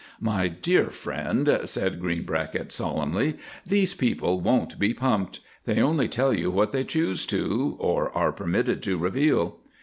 "My dear friend," said Greenbracket solemnly, "these people won't be pumped; they only tell you what they choose to, or are permitted to reveal."